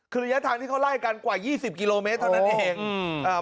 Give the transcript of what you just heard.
คือระยะทางที่เขาไล่กันกว่า๒๐กิโลเมตรเท่านั้นเอง